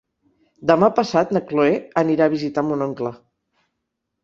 Demà passat na Cloè anirà a visitar mon oncle.